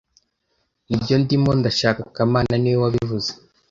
Nibyo ndimo ndashaka kamana niwe wabivuze